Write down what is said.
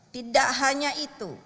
tidak hanya itu